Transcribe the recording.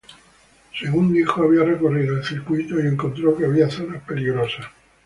Según dijo, había recorrido el circuito y encontró que había zonas peligrosas.